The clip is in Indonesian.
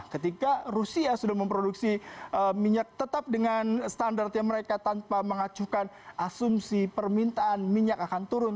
ketika rusia sudah memproduksi minyak tetap dengan standarnya mereka tanpa mengacukan asumsi permintaan minyak akan turun